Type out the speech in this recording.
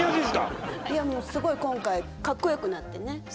いやもうすごい今回かっこよくなってね。